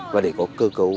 và để có cơ cấu